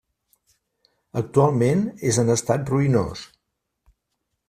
Actualment és en estat ruïnós.